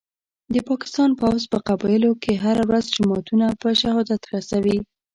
د پاکستان پوځ په قبایلو کي هره ورځ جوماتونه په شهادت رسوي